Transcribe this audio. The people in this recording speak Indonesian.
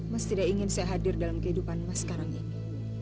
mas tidak ingin saya hadir dalam kehidupan mas sekarang ini